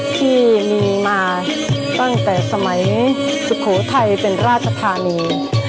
ที่มีมาตั้งแต่สมัยสุโขทัยเป็นราชธานี